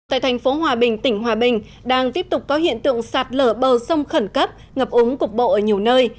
tại thành phố hòa bình tỉnh hòa bình đang tiếp tục có hiện tượng sạt lở bờ sông khẩn cấp ngập ống cục bộ ở nhiều nơi